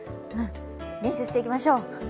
練習していきましょう。